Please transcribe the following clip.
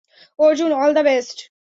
Arjun, all the best!